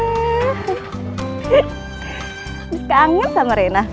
mis kangen sama rena